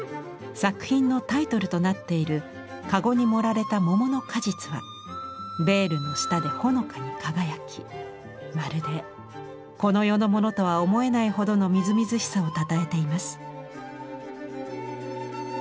作品のタイトルとなっているかごに盛られた桃の果実はベールの下でほのかに輝きまるでこの世のものとは思えないほどのみずみずしさをたたえています。